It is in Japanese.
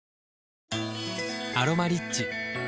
「アロマリッチ」